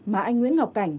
mà anh nguyễn ngọc cảnh